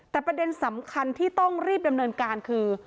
แต่ประเด็นสำคัญที่ต้องรีบดำเนินการคือ